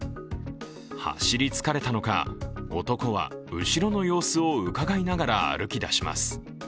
走り疲れたのか、男は後ろの様子をうかがいながら歩きだします。